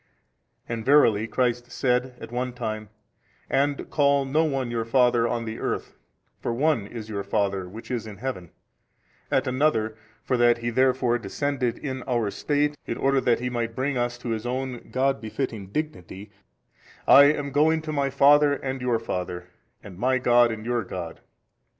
And verily Christ said, at one time, And call no one your father on the earth, for one is your Father which is in Heaven, at another, for that He therefore descended in our estate in order that He might bring us to His own God befitting dignity, I am going to My Father and your Father and My God and your God.